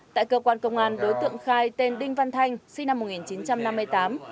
tại cơ quan công an đối tượng khai tên đinh văn thanh sinh năm một nghìn chín trăm năm mươi tám